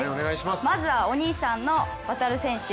まずは、お兄さんの航選手。